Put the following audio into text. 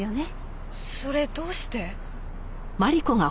それどうして？